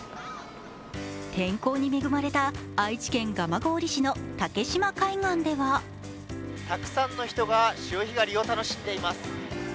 天候に恵まれた愛知県蒲郡市の竹島海岸ではたくさんの人が潮干狩を楽しんでいます。